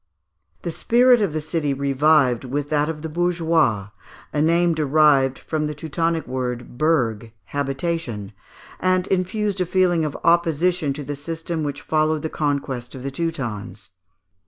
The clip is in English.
The spirit of the city revived with that of the bourgeois (a name derived from the Teutonic word burg, habitation) and infused a feeling of opposition to the system which followed the conquest of the Teutons.